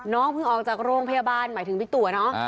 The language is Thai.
น้องเพิ่งออกจากโรงพยาบาลหมายถึงบิ๊กตัวเนาะ